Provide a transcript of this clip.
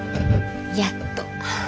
やっと。